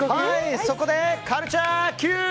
そこでカルチャーＱ！